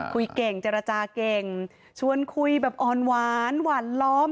คุยเก่งเจรจาเก่งชวนคุยแบบอ่อนหวานหวานล้อม